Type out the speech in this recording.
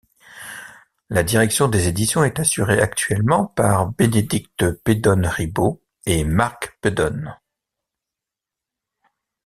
La direction des éditions est assurée actuellement par Bénédicte Pedone-Ribot et Marc Pedone.